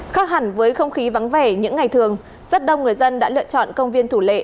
khác hẳn với không khí vắng vẻ những ngày thường rất đông người dân đã lựa chọn công viên thủ lệ